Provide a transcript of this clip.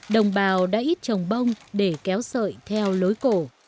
đồng bào đã ít trồng bông để kéo sợi theo lối cổ